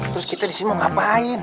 terus kita di sini mau ngapain